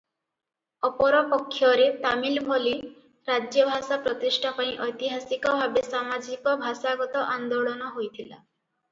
ଅପରପକ୍ଷରେ ତାମିଲ ଭଳି ରାଜ୍ୟଭାଷା ପ୍ରତିଷ୍ଠା ପାଇଁ ଐତିହାସିକ ଭାବେ ସାମାଜିକ-ଭାଷାଗତ ଆନ୍ଦୋଳନ ହୋଇଥିଲା ।